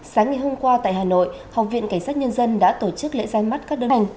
sáng ngày hôm qua tại hà nội học viện cảnh sát nhân dân đã tổ chức lễ ra mắt các đơn